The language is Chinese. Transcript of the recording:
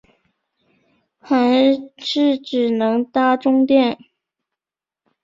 还是只能搭终电